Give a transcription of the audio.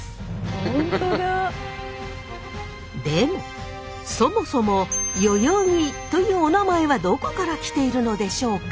本当だ！でもそもそも代々木というお名前はどこから来ているのでしょうか？